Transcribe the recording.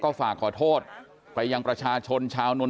เพราะว่าไม่อยากให้มีกรณีปัญหาเกิดขึ้น